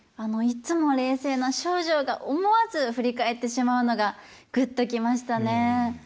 いつも冷静な丞相が思わず振り返ってしまうのがぐっと来ましたね。